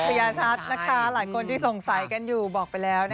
อย่าชัดนะคะหลายคนที่สงสัยกันอยู่บอกไปแล้ว